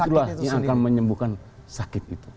justru grassroots itulah yang akan menyembuhkan sakit itu